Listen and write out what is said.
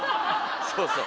そうそう。